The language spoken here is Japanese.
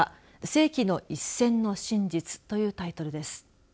世紀の一戦の真実というタイトルです。